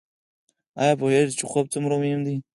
ایا پوهیږئ چې خوب څومره مهم دی؟